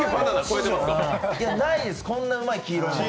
ないです、こんなにうまい黄色のもの。